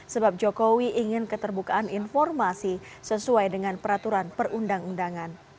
sebab jokowi ingin keterbukaan informasi sesuai dengan peraturan perundang undangan